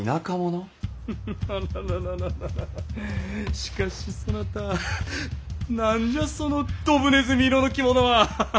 しかしそなた何じゃそのどぶねずみ色の着物は！